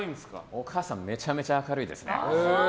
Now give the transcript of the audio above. お母さんめちゃめちゃ明るいですね。